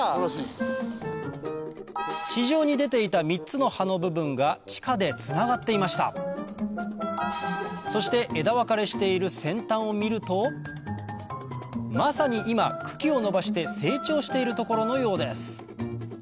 地上に出ていた３つの葉の部分が地下でつながっていましたそして枝分かれしている先端を見るとまさに今茎を伸ばして成長しているところのようです